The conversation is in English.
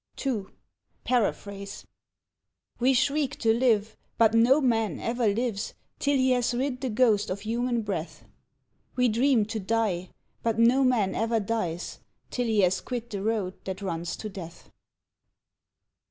II Paraphrase We shriek to live, but no man ever lives Till he has rid the ghost of human breath; We dream to die, but no man ever dies Till he has quit the road that runs to death.